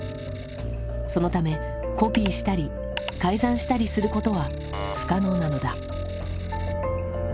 そのためコピーしたり改ざんしたりすることは不可能なのだ。